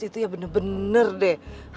itu ya bener bener deh